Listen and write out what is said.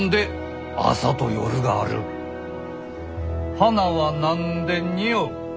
花は何でにおう？